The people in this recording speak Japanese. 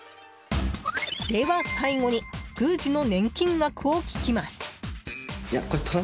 では最後に宮司の年金額を聞きます。